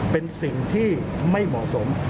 เป็นสิ่งที่ไม่เหมาะสม